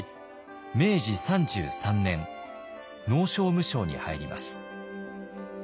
明治３３年農商務省に入ります。